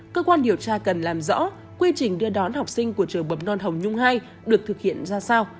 cơ quan điều tra cần làm rõ quy trình đưa đón học sinh của trường bẩm non hồng nhung hai được thực hiện ra sao